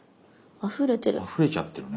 あふれちゃってるね。